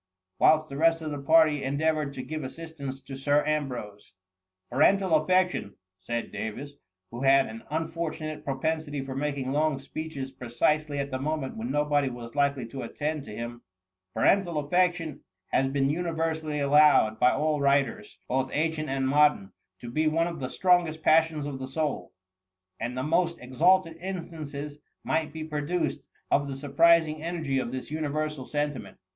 *' whilst the rest of the party en deavoured to give assistance to Sir Ambrose. ^^ Parental affection,^ said Davis, who had an unfortunate propensity for making long speeches precisely at the moment when nobody was likely to attend to him ;parental affection has been universally allowed by all writers, both ancient and modem, to be one of the strongest passions of the soul, and the most ex alted instances might be produced of the sur prising energy of this universal sentiment.''